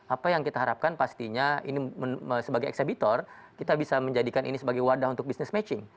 apa yang kita harapkan pastinya ini sebagai eksebitor kita bisa menjadikan ini sebagai wadah untuk bisnis matching